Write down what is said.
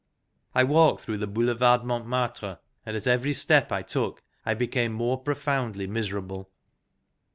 I walked through the Boulevard Montmartre, and at every step I took I became more profoundly miser able.